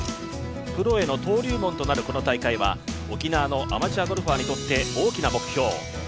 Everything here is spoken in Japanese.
プロへの登竜門となるこの大会は沖縄のアマチュアゴルファーにとって大きな目標。